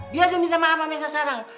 biar dia minta maaf sama misa sekarang